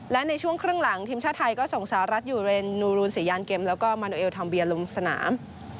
และในช่วงครึ่งหลังทีมชาติไทยก็ส่งสหรัฐอยู่เรนนูรูนศรียานเกมแล้วก็มาโนเอลทอมเบียลงสนาม